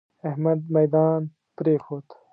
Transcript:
احمد ميدان پرېښود.